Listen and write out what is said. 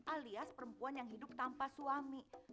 alias perempuan yang hidup tanpa suami